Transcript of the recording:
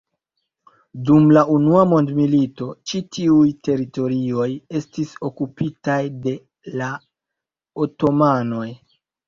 Dum la Unua Mondmilito ĉi tiuj teritorioj estis okupitaj de la otomanoj.